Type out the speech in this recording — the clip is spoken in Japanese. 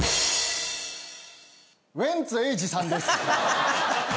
ウエンツ瑛士さんです。